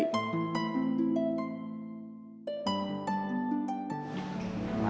kenapa sih roman ah